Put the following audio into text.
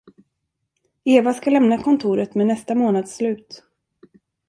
Eva skall lämna kontoret med nästa månads slut.